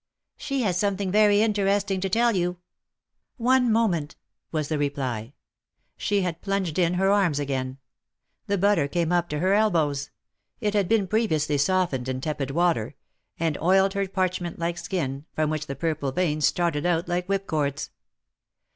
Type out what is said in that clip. She has something very interesting to tell you." '^One moment," was the reply. She had plunged in her arms again. The butter came up to her elbows — it had been previously softened in tepid water — and oiled her parchment like skin, from which the purple veins started out like whip cords.